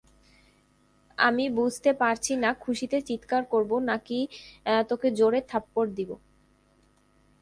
আমি বুঝতে পারছি না খুশিতে চিৎকার করব নাকি তোকে জোরে থাপড় দিব!